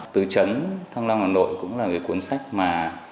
tư chấn thăng long hà nội cũng là cái cuốn sách mà